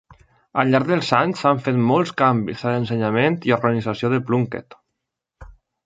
Al llarg dels anys s'han fet molts canvis a l'ensenyament i organització de Plunket.